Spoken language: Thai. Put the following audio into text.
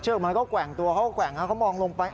เชือกมาก็แกว่งตัวเขาแกว่งเขามองลงไป